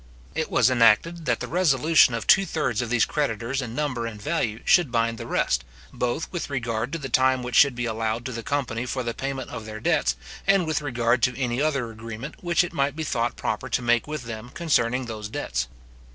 It was enacted, that the resolution of two thirds of these creditors in number and value should bind the rust, both with regard to the time which should be allowed to the company for the payment of their debts, and with regard to any other agreement which it might be thought proper to make with them concerning those debts.